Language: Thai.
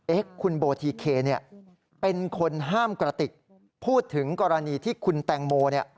คุณโบทีเคเนี่ยเป็นคนห้ามกระติกพูดถึงกรณีที่คุณแตงโมเนี่ย